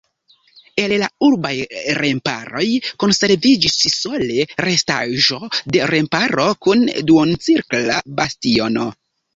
El la urbaj remparoj konserviĝis sole restaĵo de remparo kun duoncirkla bastiono.